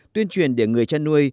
tuyên truyền để người chăn nuôi